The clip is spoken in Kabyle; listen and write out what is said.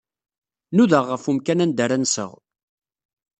Nudaɣ ɣef umkan anda ara nseɣ.